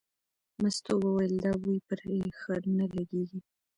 مستو به ویل دا بوی پرې ښه نه لګېږي.